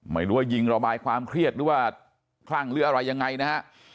ไม่รู้ว่ายิงระบายความเครียดหรือว่าคลั่งหรืออะไรยังไงนะฮะ